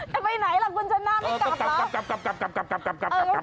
แต่ไปไหนล่ะคุณชนะไม่กลับเหรอ